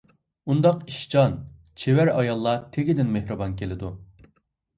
ئۇنداق ئىشچان، چېۋەر ئاياللار تېگىدىن مېھرىبان كېلىدۇ.